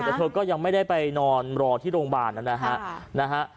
แต่เธอก็ยังไม่ได้ไปนอนรอที่โรงพยาบาลนะฮะ